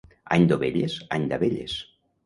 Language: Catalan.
Any d'ovelles, any d'abelles.